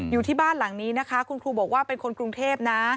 อยู่ที่บ้านหลังนี้นะคะคุณครูบอกว่าเป็นคนกรุงเทพนะ